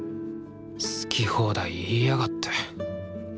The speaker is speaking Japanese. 好き放題言いやがって。